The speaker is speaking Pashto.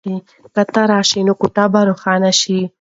که ته راشې نو کوټه به روښانه شي.